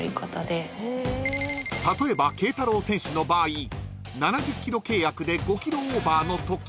［例えばＫ太郎選手の場合７０ｋｇ契約で５ｋｇオーバーのとき］